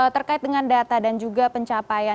terkait dengan data dan juga pencapaian